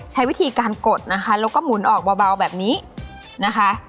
ใช้วิธีการกดนะคะแล้วก็หมุนออกเบาแบบนี้นะคะ